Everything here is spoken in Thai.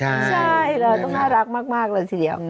ใช่เราต้องน่ารักมากเลยทีเดียว